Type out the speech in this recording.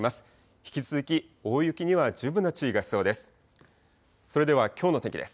引き続き大雪には十分な注意が必要です。